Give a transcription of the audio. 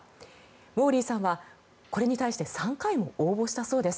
ウォーリーさんはこれに対して３回も応募したそうです。